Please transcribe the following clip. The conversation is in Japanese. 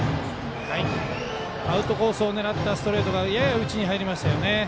アウトコースを狙ったストレートがやや内に入りましたよね。